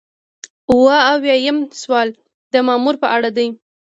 اووه اویایم سوال د مامور په اړه دی.